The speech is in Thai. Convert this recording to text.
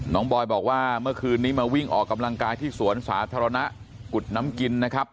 บอยบอกว่าเมื่อคืนนี้มาวิ่งออกกำลังกายที่สวนสาธารณะกุฎน้ำกินนะครับ